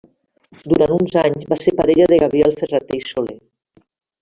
Durant uns anys va ser parella de Gabriel Ferrater i Soler.